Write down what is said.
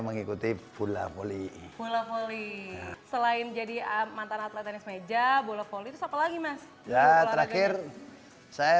mengikuti bola volley emergenia pelem selain jadi amantang atlet hockey meja bole ya terakhir saya